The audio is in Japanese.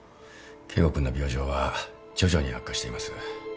圭吾君の病状は徐々に悪化しています。